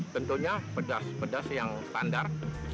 tentunya pedas pedas yang standar